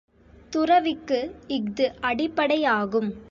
துறவிக்கு இஃது அடிப்படையாகும்.